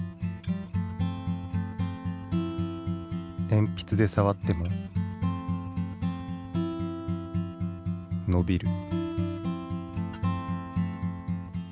鉛筆で触っても伸びる。